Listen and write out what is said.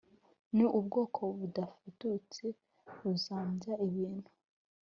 ni ubwoba budafututse buzambya ibintu.